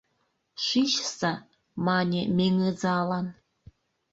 — Шичса, — мане Меҥызалан.